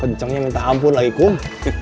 kencangnya minta ampun lagi kum